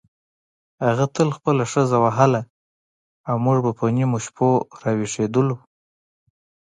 هغه تل خپله ښځه وهله او موږ به په نیمو شپو راویښېدلو.